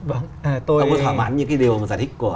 ông có thỏa mãn những cái điều giải thích của